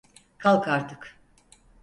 Kalk artık!